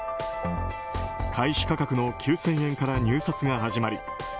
開始価格の９０００円から入札が始まり